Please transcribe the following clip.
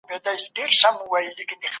د جرګي په جریان کي به د ملي ګټو ساتنه کيده.